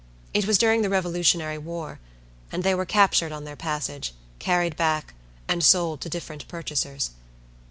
It was during the Revolutionary War; and they were captured on their passage, carried back, and sold to different purchasers.